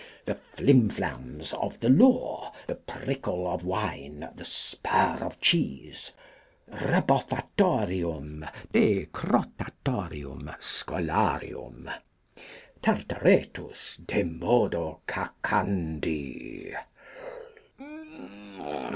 The Flimflams of the Law. The Prickle of Wine. The Spur of Cheese. Ruboffatorium (Decrotatorium) scholarium. Tartaretus de modo cacandi.